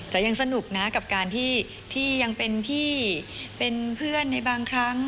แต่ยังสนุกนะกับการที่ยังเป็นพี่เป็นเพื่อนในบางครั้ง